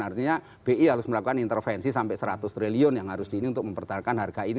artinya bi harus melakukan intervensi sampai seratus triliun yang harus di ini untuk mempertahankan harga ini